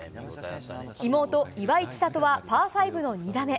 妹、岩井千怜はパー５の２打目。